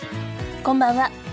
こんばんは。